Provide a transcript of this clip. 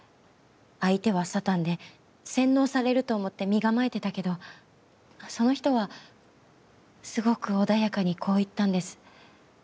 相手はサタンで洗脳されると思って身構えてたけどその人はすごく穏やかにこう言ったんです。